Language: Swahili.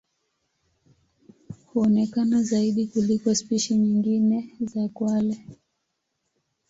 Huonekana zaidi kuliko spishi nyingine za kwale.